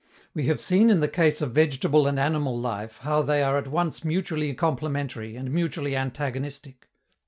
We have seen in the case of vegetable and animal life how they are at once mutually complementary and mutually antagonistic.